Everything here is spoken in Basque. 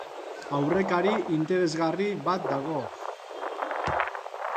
Aurrekari interesgarri bat dago.